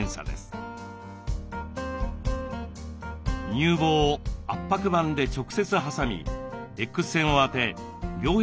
乳房を圧迫板で直接挟みＸ線を当て病変がないかを調べます。